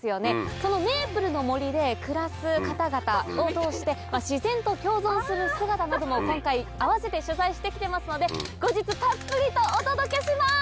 そのメープルの森で暮らす方々を通して自然と共存する姿なども今回併せて取材して来てますので後日たっぷりとお届けします！